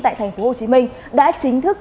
tại thành phố hồ chí minh đã chính thức